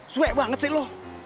swe banget sih lu